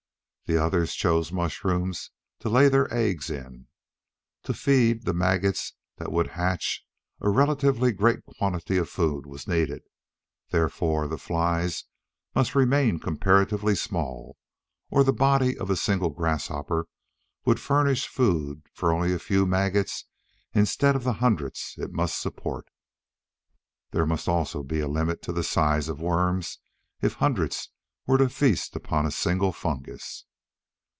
The others chose mushrooms to lay their eggs in. To feed the maggots that would hatch, a relatively great quantity of food was needed; therefore, the flies must remain comparatively small, or the body of a single grasshopper would furnish food for only a few maggots instead of the hundreds it must support. There must also be a limit to the size of worms if hundreds were to feast upon a single fungus.